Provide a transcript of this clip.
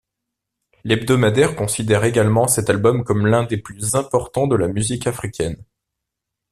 L'hebdomadaire considère également cet album comme l'un des plus importants de la musique africaine.